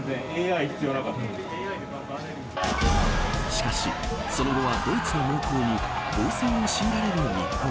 しかし、その後はドイツの猛攻に防戦を強いられる日本。